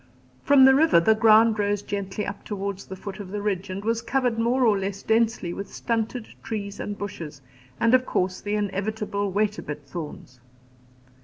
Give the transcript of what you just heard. From the river the ground rose gently upwards to the foot of the ridge, and was covered more or less densely with stunted trees and bushes, and of course the inevitable "wait a bit" thorns.